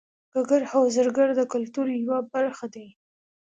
ګګر او زرګر د کولتور یوه برخه دي